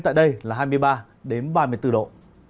tại đây là hai mươi ba ba mươi bốn độ